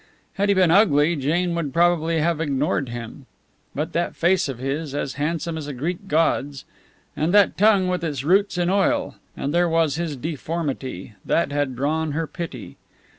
Had he been ugly, Jane would probably have ignored him. But that face of his, as handsome as a Greek god's, and that tongue with its roots in oil! And there was his deformity that had drawn her pity.